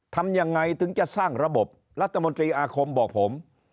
ทำยังไงถึงจะสร้างระบบรัฐมนตรีอาคมบอกผม